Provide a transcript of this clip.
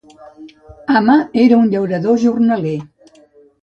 Ama era un llaurador jornaler.